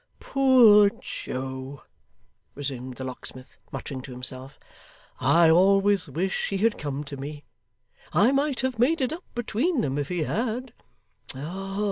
'Poor Joe!' resumed the locksmith, muttering to himself; 'I always wish he had come to me. I might have made it up between them, if he had.